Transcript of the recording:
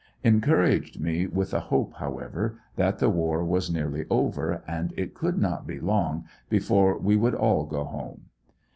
Encouraged me with the hope, however, that the war was nearly over and it could not be long before we would all go home.